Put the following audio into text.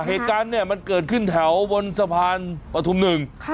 เหตุการณ์เนี่ยมันเกิดขึ้นแถวบนสะพานปฐุมหนึ่ง